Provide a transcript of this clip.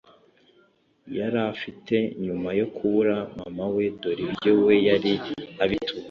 yari afite nyuma yo kubura mama we dore ibyo we yari abituye